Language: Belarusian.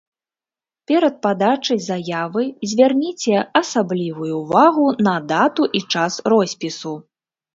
Перад падачай заявы звярніце асаблівую ўвагу на дату і час роспісу.